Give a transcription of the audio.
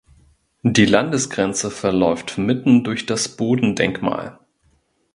Die Landesgrenze verläuft mitten durch das Bodendenkmal.